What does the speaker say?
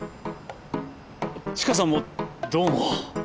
知花さんもどうも。